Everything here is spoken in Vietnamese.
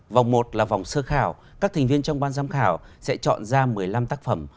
vòng một là vòng sơ khảo các thành viên trong ban giám khảo sẽ chọn ra một mươi năm tác phẩm